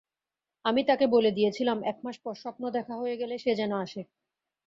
আমি তাকে বলে দিয়েছিলাম এক মাস পর স্বপ্ন দেখা হয়ে গেলে সে যেন আসে।